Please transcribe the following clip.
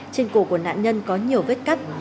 trên cổ của nạn nhân có nhiều vết cắt